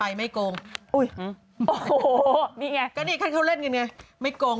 พี่เหว่าให้พี่เหว่าคิดก่อน